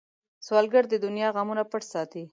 سوالګر د دنیا غمونه پټ ساتي